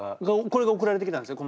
これが送られてきたんですね？